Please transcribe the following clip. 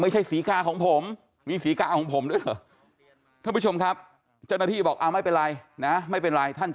ใช่สีกาก็คือผู้หญิงใช่ไหมครับครับมีร้านชายคนหนึ่ง